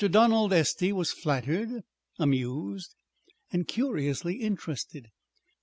Donald Estey was flattered, amused, and curiously interested.